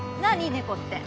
猫って。